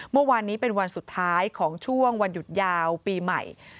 เมื่อวานนี้เป็นวันสุดท้ายของช่วงวันหยุดยาวปีใหม่